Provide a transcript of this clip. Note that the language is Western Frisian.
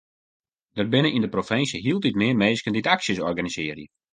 Der binne yn de provinsje hieltyd mear minsken dy't aksjes organisearje.